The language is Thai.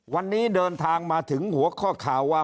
วันนี้เดินทางมาถึงหัวข้อข่าวว่า